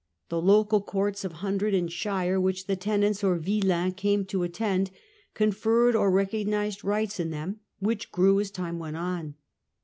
The local courts of hundred and shire, which the tenants (or villeins) came to attend, conferred or recognized rights in them, which grew as time went on.